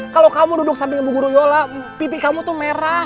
kalau kamu duduk samping bubur yola pipi kamu tuh merah